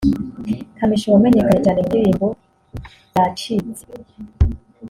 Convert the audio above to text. Kamichi wamenyekanye cyane mu ndirimbo Byacitse